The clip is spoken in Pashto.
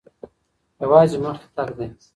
یوازې مخکې تګ دی.